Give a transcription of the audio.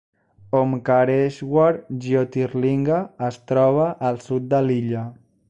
Omkareshwar Jyotirlinga es troba al sud de l'illa.